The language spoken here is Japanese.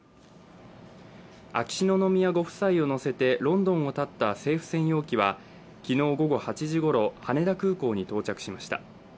秋篠宮ご夫妻を乗せてロンドンを発った政府専用機は昨日午後８時ごろ、羽田空港に到着しました。